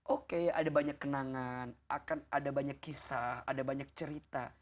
oke ada banyak kenangan akan ada banyak kisah ada banyak cerita